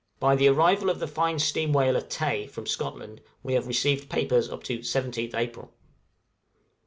By the arrival of the fine steam whaler 'Tay,' from Scotland, we have received papers up to 17th April.